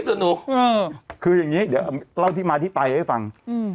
เดี๋ยวเล่าที่มาที่ไปให้ฟัง